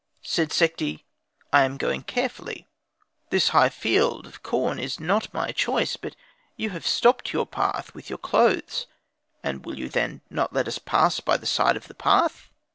Said Sekhti, "I am going carefully; this high field of corn is not my choice, but you have stopped your path with your clothes, and will you then not let us pass by the side of the path?"